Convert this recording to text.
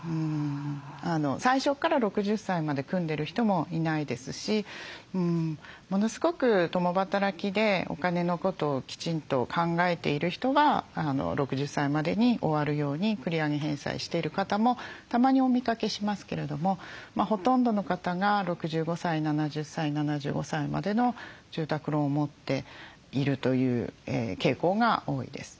最初から６０歳まで組んでる人もいないですしものすごく共働きでお金のことをきちんと考えている人は６０歳までに終わるように繰り上げ返済している方もたまにお見かけしますけれどもほとんどの方が６５歳７０歳７５歳までの住宅ローンを持っているという傾向が多いです。